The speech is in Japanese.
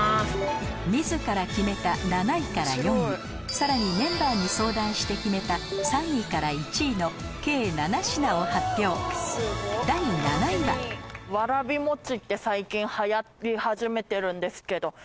自ら決めた７位から４位さらにメンバーに相談して決めた３位から１位の計７品を発表第７位はしたお店ですね。とは思います。